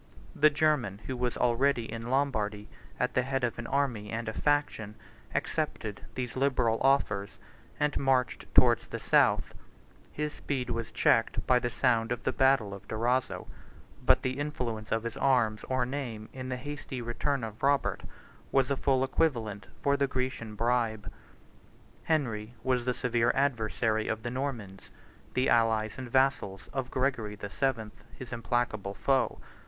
The German, 82 who was already in Lombardy at the head of an army and a faction, accepted these liberal offers, and marched towards the south: his speed was checked by the sound of the battle of Durazzo; but the influence of his arms, or name, in the hasty return of Robert, was a full equivalent for the Grecian bribe. Henry was the severe adversary of the Normans, the allies and vassals of Gregory the Seventh, his implacable foe.